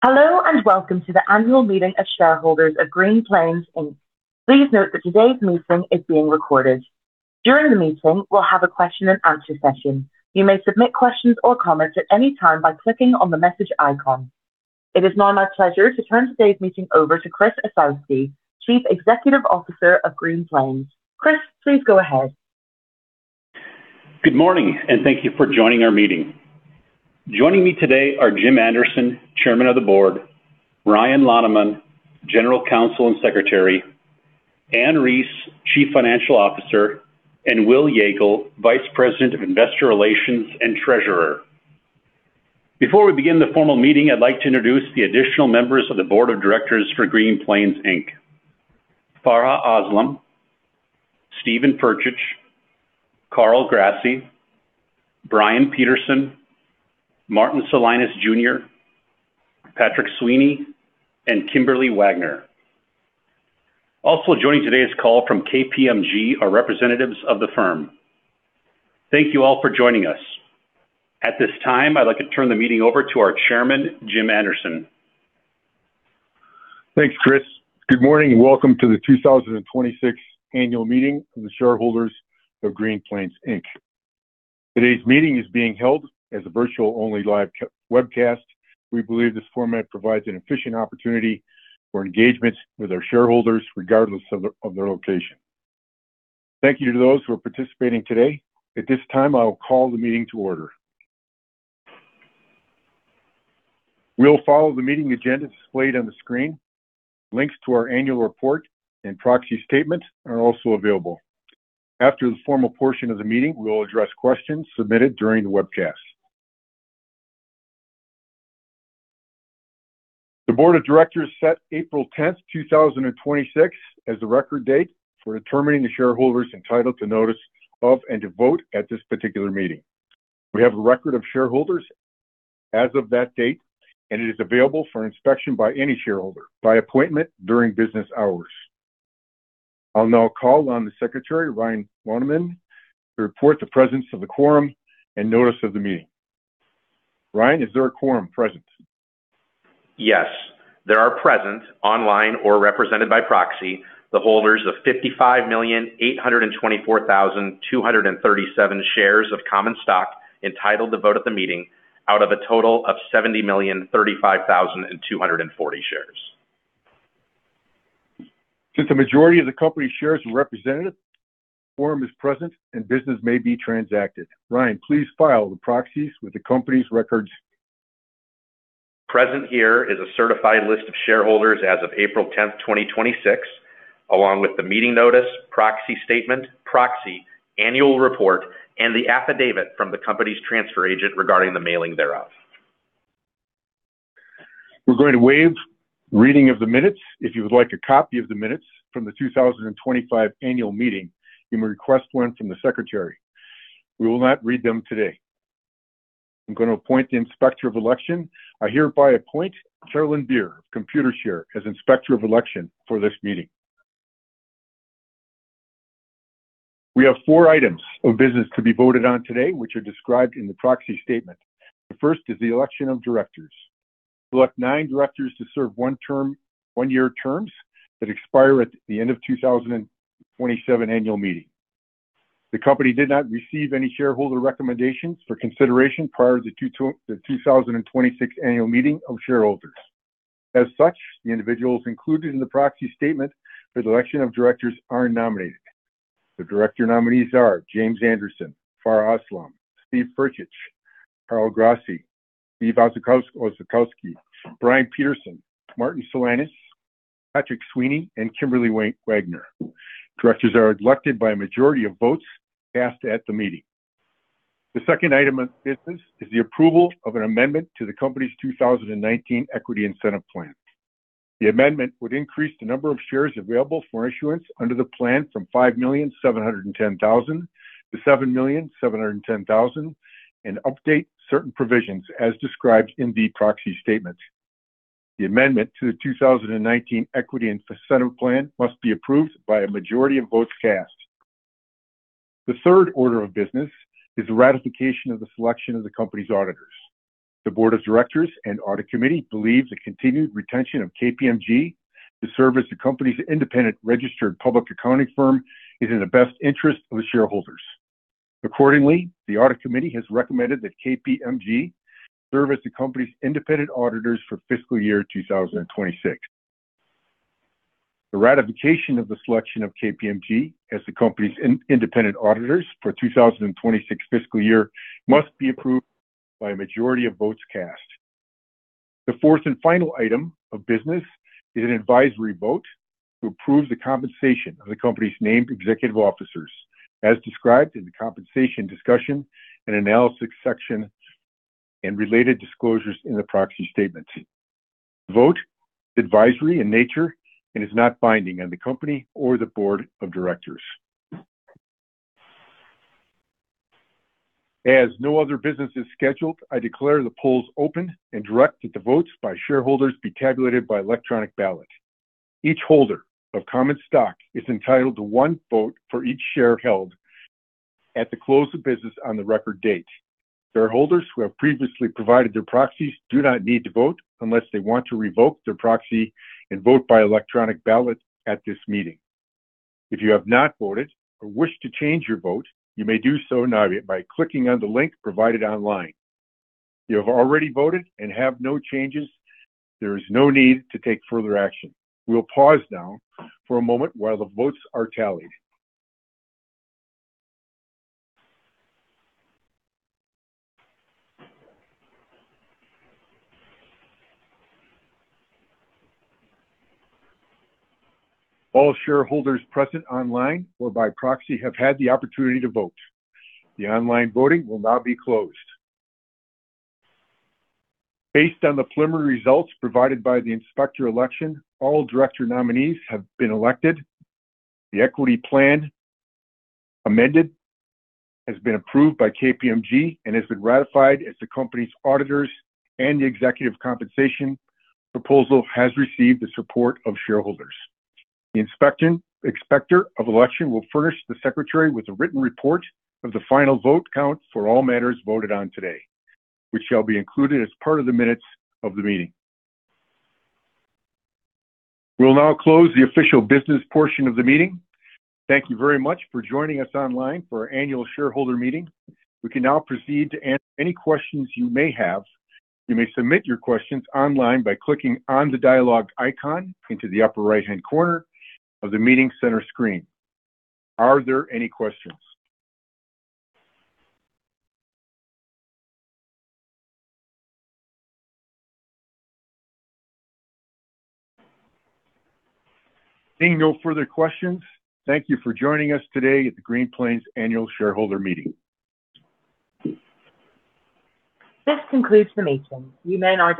Hello, and welcome to the annual meeting of shareholders of Green Plains Inc. Please note that today's meeting is being recorded. During the meeting, we'll have a question and answer session. You may submit questions or comments at any time by clicking on the message icon. It is now my pleasure to turn today's meeting over to Chris Osowski, Chief Executive Officer of Green Plains. Chris, please go ahead. Good morning, and thank you for joining our meeting. Joining me today are Jim Anderson, Chairman of the Board, Ryan Loneman, General Counsel and Secretary, Ann Reis, Chief Financial Officer, and Will Joekel, Vice President of Investor Relations and Treasurer. Before we begin the formal meeting, I'd like to introduce the additional members of the Board of Directors for Green Plains Inc.: Farha Aslam, Steven Furcich, Carl Grassi, Brian Peterson, Martin Salinas Jr., Patrick Sweeney, and Kimberly Wagner. Also joining today's call from KPMG are representatives of the firm. Thank you all for joining us. At this time, I'd like to turn the meeting over to our Chairman, Jim Anderson. Thanks, Chris. Good morning and welcome to the 2026 annual meeting of the shareholders of Green Plains Inc. Today's meeting is being held as a virtual-only live webcast. We believe this format provides an efficient opportunity for engagement with our shareholders regardless of their location. Thank you to those who are participating today. At this time, I will call the meeting to order. We'll follow the meeting agenda displayed on the screen. Links to our annual report and proxy statement are also available. After the formal portion of the meeting, we will address questions submitted during the webcast. The board of directors set April 10th, 2026, as the record date for determining the shareholders entitled to notice of and to vote at this particular meeting. We have a record of shareholders as of that date, and it is available for inspection by any shareholder by appointment during business hours. I'll now call on the Secretary, Ryan Loneman, to report the presence of the quorum and notice of the meeting. Ryan, is there a quorum present? Yes. There are present, online or represented by proxy, the holders of 55,824,237 shares of common stock entitled to vote at the meeting out of a total of 70,035,240 shares. Since the majority of the company shares are represented, quorum is present, and business may be transacted. Ryan, please file the proxies with the company's records. Present here is a certified list of shareholders as of April 10th, 2026, along with the meeting notice, proxy statement, proxy, annual report, and the affidavit from the company's transfer agent regarding the mailing thereof. We're going to waive reading of the minutes. If you would like a copy of the minutes from the 2025 annual meeting, you may request one from the secretary. We will not read them today. I'm going to appoint the inspector of election. I hereby appoint Sherlyn Beer of Computershare as inspector of election for this meeting. We have four items of business to be voted on today, which are described in the proxy statement. The first is the election of directors. We elect nine directors to serve one-year terms that expire at the end of 2027 annual meeting. The company did not receive any shareholder recommendations for consideration prior to the 2026 annual meeting of shareholders. As such, the individuals included in the proxy statement for the election of directors are nominated. The director nominees are James Anderson, Farha Aslam, Steve Furcich, Carl Grassi, Chris Osowski, Brian Peterson, Martin Salinas, Patrick Sweeney, and Kimberly Wagner. Directors are elected by a majority of votes cast at the meeting. The second item of business is the approval of an amendment to the company's 2019 Equity Incentive Plan. The amendment would increase the number of shares available for issuance under the plan from 5,710,000 to 7,710,000 and update certain provisions as described in the proxy statement. The amendment to the 2019 Equity Incentive Plan must be approved by a majority of votes cast. The third order of business is the ratification of the selection of the company's auditors. The board of directors and audit committee believes the continued retention of KPMG to serve as the company's independent registered public accounting firm is in the best interest of the shareholders. Accordingly, the audit committee has recommended that KPMG serve as the company's independent auditors for fiscal year 2026. The ratification of the selection of KPMG as the company's independent auditors for 2026 fiscal year must be approved by a majority of votes cast. The fourth and final item of business is an advisory vote to approve the compensation of the company's named executive officers, as described in the compensation discussion and analysis section and related disclosures in the proxy statement. The vote is advisory in nature and is not binding on the company or the board of directors. As no other business is scheduled, I declare the polls open and direct that the votes by shareholders be tabulated by electronic ballot. Each holder of common stock is entitled to one vote for each share held at the close of business on the record date. Shareholders who have previously provided their proxies do not need to vote unless they want to revoke their proxy and vote by electronic ballot at this meeting. If you have not voted or wish to change your vote, you may do so now by clicking on the link provided online. If you have already voted and have no changes, there is no need to take further action. We'll pause now for a moment while the votes are tallied. All shareholders present online or by proxy have had the opportunity to vote. The online voting will now be closed. Based on the preliminary results provided by the Inspector of Election, all director nominees have been elected, the equity plan amended has been approved by KPMG and has been ratified as the company's auditors, and the executive compensation proposal has received the support of shareholders. The Inspector of Election will furnish the Secretary with a written report of the final vote count for all matters voted on today, which shall be included as part of the minutes of the meeting. We'll now close the official business portion of the meeting. Thank you very much for joining us online for our annual shareholder meeting. We can now proceed to answer any questions you may have. You may submit your questions online by clicking on the dialogue icon into the upper right-hand corner of the meeting center screen. Are there any questions? Seeing no further questions, thank you for joining us today at the Green Plains annual shareholder meeting. This concludes the meeting. You may now disconnect.